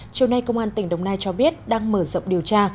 chiều nay công an tỉnh đồng nai cho biết đang mở rộng điều tra